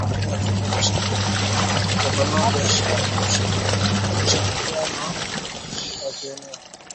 katika jamuia ya Afrika mashariki kutapanua biashara na ushirikiano wa kieneo